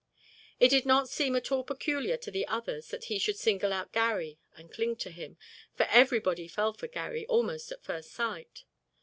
It did not seem at all peculiar to the others that he should single out Garry and cling to him, for everybody fell for Garry almost at first sight.